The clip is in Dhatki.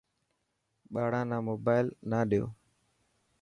ٻاڙا نا موبائل نه ڏيو.